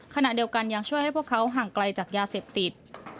ขณะเดียวกันยังช่วยให้พวกเขาห่างไกลจากยาเสพติด